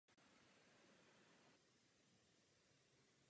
Johana se dvakrát vdala.